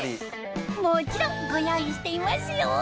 もちろんご用意していますよ！